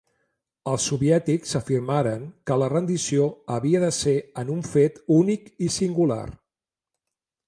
Els soviètics afirmaren que la rendició havia de ser en un fet únic i singular.